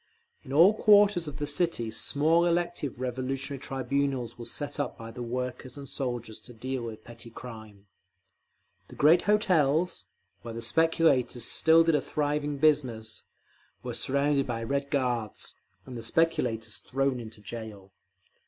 In all quarters of the city small elective Revolutionary Tribunals were set up by the workers and soldiers to deal with petty crime…. The great hotels, where the speculators still did a thriving business, were surrounded by Red Guards, and the speculators thrown into jail.